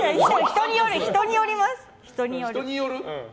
人によります。